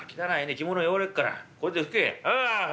着物汚れっからこれで拭け」。